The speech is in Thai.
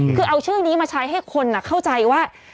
คือเอาชื่อนี้มาใช้ให้คนเข้าใจว่า